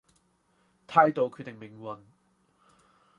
態度決定命運